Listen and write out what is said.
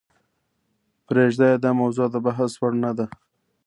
پریږده یې داموضوع دبحث وړ نه ده .